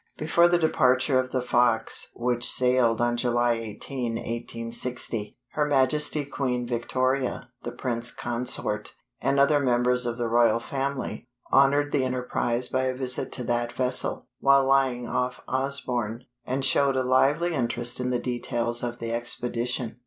Before the departure of the Fox, which sailed on July 18, 1860, her Majesty Queen Victoria, the Prince Consort, and other members of the royal family, honored the enterprise by a visit to that vessel, while lying off Osborne, and showed a lively interest in the details of the expedition.